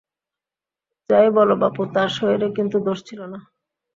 যাই বল, বাপু, তার শরীরে কিন্তু দোষ ছিল না।